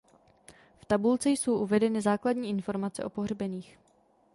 V tabulce jsou uvedeny základní informace o pohřbených.